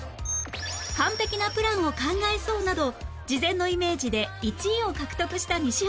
「完璧なプランを考えそう」など事前のイメージで１位を獲得した西畑